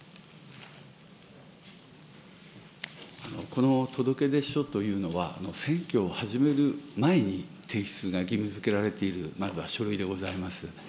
この届け出書というのは、選挙を始める前に提出が義務づけられている、まずは書類でございます。